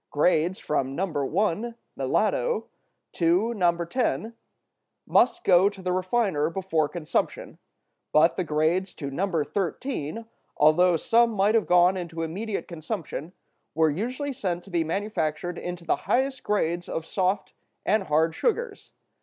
Grades from No. 1 (melado) to No. 10 must go to the refiner before consumption; but the grades to No. 13, although some might have gone into immediate consumption, were usually sent to be manufactured into the highest grades of soft and hard sugars.